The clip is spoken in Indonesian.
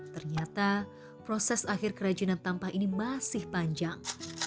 ternyata proses akhir kerajinan tampah ini masih panjang